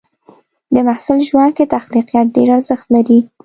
د محصل ژوند کې تخلیقيت ډېر ارزښت لري.